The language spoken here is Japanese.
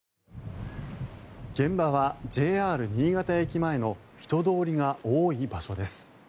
現場はＪＲ新潟駅前の人通りが多い場所です。